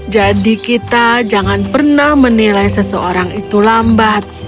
jadi kita jangan pernah menilai seseorang itu lambat